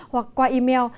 hoặc qua email